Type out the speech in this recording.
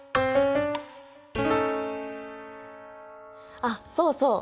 あっそうそう。